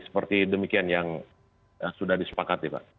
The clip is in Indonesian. seperti demikian yang sudah disepakati pak